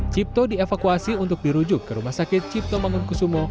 cipto dievakuasi untuk dirujuk ke rumah sakit cipto mangunkusumo